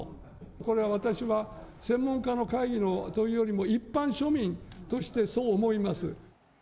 これは私は、専門家の会議というよりも一般庶民としてそう思います。